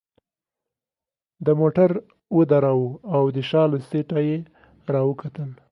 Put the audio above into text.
ده موټر ودراوه او د شا له سیټه يې راوکتل.